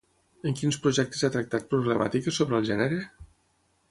En quins projectes ha tractat problemàtiques sobre el gènere?